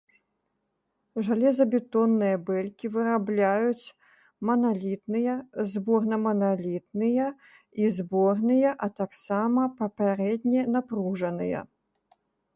Жалезабетонныя бэлькі вырабляюць маналітныя, зборнаманалітныя і зборныя, а таксама папярэдне напружаныя.